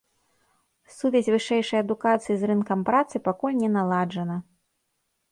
Сувязь вышэйшай адукацыі з рынкам працы пакуль не наладжана.